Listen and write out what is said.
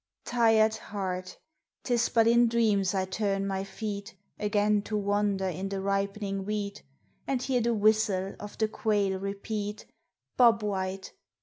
Tired heart, 'tis but in dreams I turn my feet, Again to wander in the ripening wheat And hear the whistle of the quail repeat "Bob White!